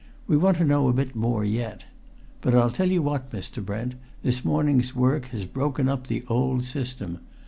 We want to know a bit more yet. But I'll tell you what, Mr. Brent, this morning's work has broken up the old system!